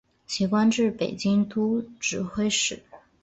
其官至北京都指挥使。